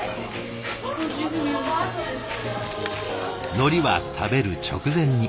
のりは食べる直前に。